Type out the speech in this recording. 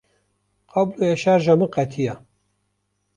Kabloya şerja min qetiya.